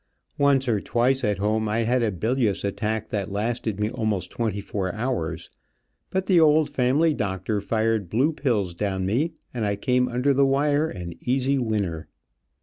Once or twice at home I had a bilious attack that lasted me almost twenty four hours; but the old family doctor fired blue pills down me, and I came under the wire an easy winner.